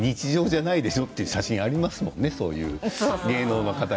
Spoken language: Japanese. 明らかに日常じゃないでしょという写真がありますよね。